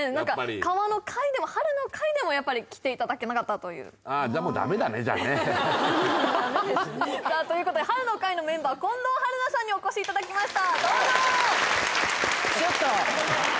「川の会」でも「春の会」でもやっぱり来ていただけなかったというああじゃもうということで「春の会」のメンバー近藤春菜さんにお越しいただきました